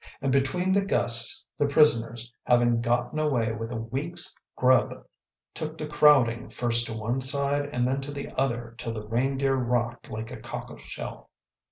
And between the gusts, the prisoners, having gotten away with a week’s grub, took to crowding first to one side and then to the other till the Reindeer rocked like a cockle shell.